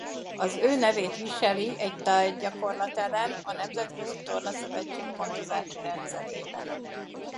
Az ő nevét viseli egy talajgyakorlat-elem a Nemzetközi Torna Szövetség pontozási rendszerében.